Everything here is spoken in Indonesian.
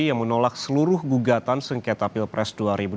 yang menolak seluruh gugatan sengketa pilpres dua ribu dua puluh